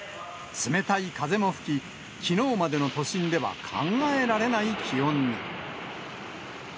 冷たい風も吹き、きのうまでの都心では考えられない気温に。